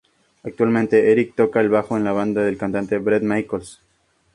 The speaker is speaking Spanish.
Actualmente, Eric toca el bajo en la banda del cantante Bret Michaels.